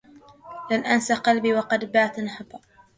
لست أنسى قلبي وقد بات نهبا